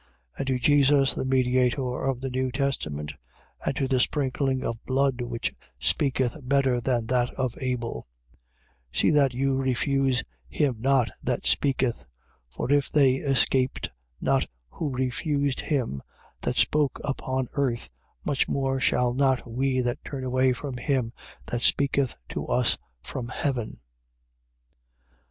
And to Jesus the mediator of the new testament, and to the sprinkling of blood which speaketh better than that of Abel. 12:25. See that you refuse him not that speaketh. For if they escaped not who refused him that spoke upon earth, much more shall not we that turn away from him that speaketh to us from heaven.